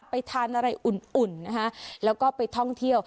ไปทานอะไรอุ่นนะคะแล้วก็ไปท่องเที่ยว